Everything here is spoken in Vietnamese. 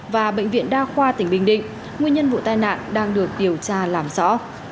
và bệnh viện đa khoa tỉnh bình định nguyên nhân vụ tai nạn đang được điều tra làm rõ